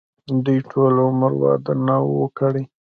دوي ټول عمر وادۀ نۀ وو کړے